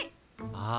ああ。